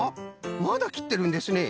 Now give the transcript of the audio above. まだきってるんですねえ？